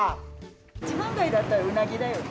一番街だったらウナギだよね。